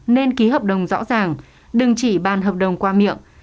nên ký hợp đồng rõ ràng đừng chỉ bàn hợp đồng qua miệng